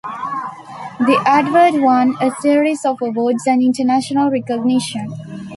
The advert won a series of awards and international recognition.